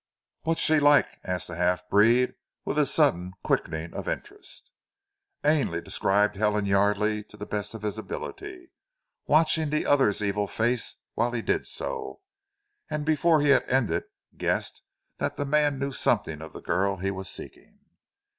"What she like?" asked the half breed with a sudden quickening of interest. Ainley described Helen Yardely to the best of his ability, watching the other's evil face whilst he did so, and before he had ended guessed that the man knew something of the girl he was seeking.